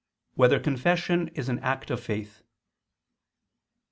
1] Whether Confession Is an Act of Faith?